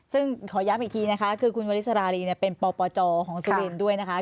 ซึ่งขอย้ำอีกทีนะคะคือคุณวริสรารีเป็นปปจของสุรินทร์ด้วยนะคะ